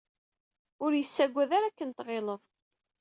Ur yessagad ara akk-n tɣileḍ.